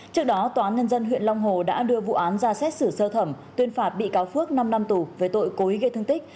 trước đó tòa án nhân dân huyện long hồ đã đưa vụ án ra xét xử sơ thẩm tuyên phạt bị cáo phước năm năm tù về tội cố ý gây thương tích